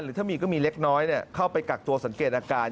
ถ้ามีก็มีเล็กน้อยเข้าไปกักตัวสังเกตอาการ